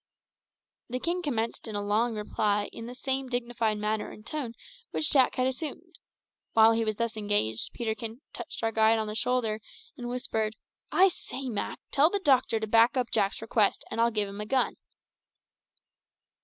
The king commenced a long reply in the same dignified manner and tone which Jack had assumed. While he was thus engaged Peterkin touched our guide on the shoulder and whispered "I say, Mak, tell the doctor to back up Jack's request, and I'll give him a gun."